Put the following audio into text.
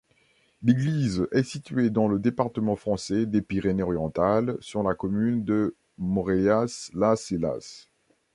L'église est située dans le département français des Pyrénées-Orientales, sur la commune de Maureillas-las-Illas.